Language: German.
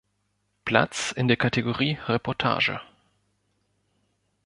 Platz in der Kategorie Reportage.